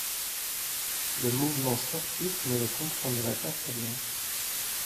Le mouvement sportif ne le comprendrait pas très bien.